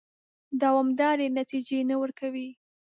دوامدارې نتیجې نه ورکوي.